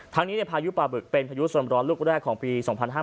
ทั้งนี้พายุปลาบึกเป็นพายุส่วนร้อนลูกแรกของปี๒๕๕๙